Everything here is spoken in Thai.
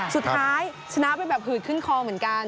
สุดท้ายชนะไปแบบหืดขึ้นคอเหมือนกัน